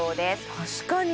確かに！